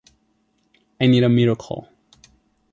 I need a miracle.